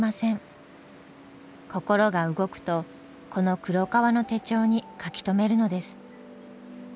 心が動くとこの黒革の手帳に書き留めるのです。